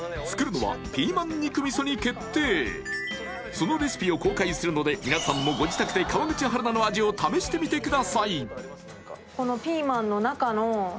そのレシピを公開するので皆さんもご自宅で川口春奈の味を試してみてください